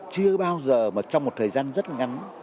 chưa bao giờ mà trong một thời gian rất ngắn